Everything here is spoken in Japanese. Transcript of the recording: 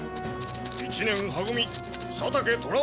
一年は組佐武虎若！